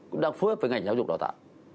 cũng đang phối hợp với ngành giáo dục đào tạo